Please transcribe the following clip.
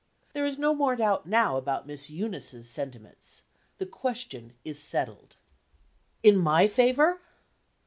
There is no more doubt now about Miss Eunice's sentiments. The question is settled." "In my favor?"